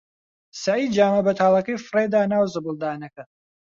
سەعید جامە بەتاڵەکەی فڕێ دا ناو زبڵدانەکە.